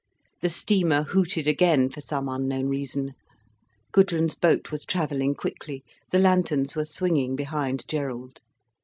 The steamer hooted again, for some unknown reason. Gudrun's boat was travelling quickly, the lanterns were swinging behind Gerald.